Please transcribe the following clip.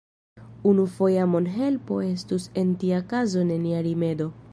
Unufoja monhelpo estus en tia kazo nenia rimedo.